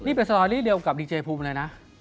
นี่เป็นสตอรี่เดียวกับดีเจภูมิเลยนะ